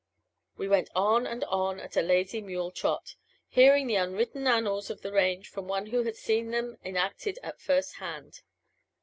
We went on and on at a lazy mule trot, hearing the unwritten annals of the range from one who had seen them enacted at first hand.